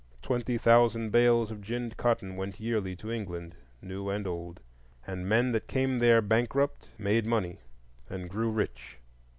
Twenty thousand bales of ginned cotton went yearly to England, New and Old; and men that came there bankrupt made money and grew rich.